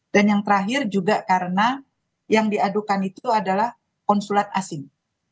yang terakhir juga karena yang diadukan itu adalah konsulat asing